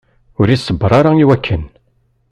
Ur iṣebber ara i wakken.